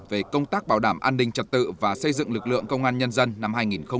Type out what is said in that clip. về công tác bảo đảm an ninh trật tự và xây dựng lực lượng công an nhân dân năm hai nghìn hai mươi